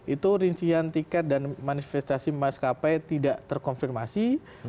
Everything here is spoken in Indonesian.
itu rincian tiket dan manifestasi mas kp tidak terkonfirmasi